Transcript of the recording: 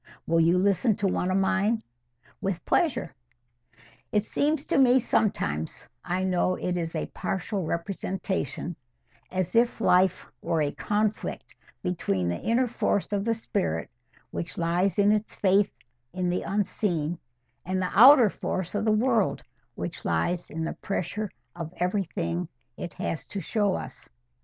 "Will you listen to one of mine?" "With pleasure." "It seems to me sometimes—I know it is a partial representation—as if life were a conflict between the inner force of the spirit, which lies in its faith in the unseen—and the outer force of the world, which lies in the pressure of everything it has to show us.